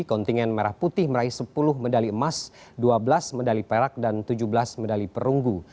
kontingen merah putih meraih sepuluh medali emas dua belas medali perak dan tujuh belas medali perunggu